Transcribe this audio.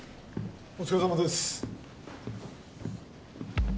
お疲れさまです